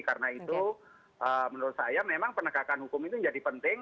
karena itu menurut saya memang penegakan hukum itu menjadi penting